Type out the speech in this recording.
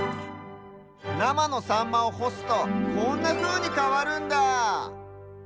なまのサンマをほすとこんなふうにかわるんだ！